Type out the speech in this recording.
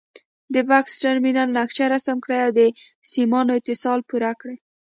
د بکس ټرمینل نقشه رسم کړئ او د سیمانو اتصال پوره کړئ.